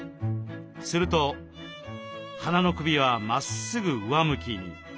すると花の首はまっすぐ上向きに。